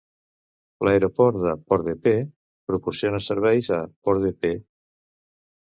L'Aeroport de Port-de-Paix proporciona serveis a Port-de-Paix.